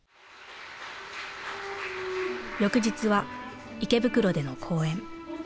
翌日は池袋での公演。